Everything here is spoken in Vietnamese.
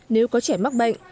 nếu có trẻ mắc bệnh